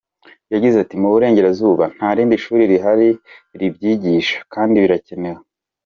Yagize ati “Mu Burengerazuba nta rindi shuri rihari ribyigisha kandi birakenewe.